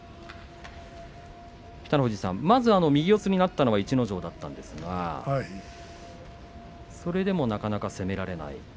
北の富士さん、まずは右四つになったのは逸ノ城だったんですがそれでもなかなか攻められない。